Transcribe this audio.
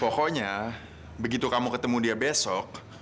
pokoknya begitu kamu ketemu dia besok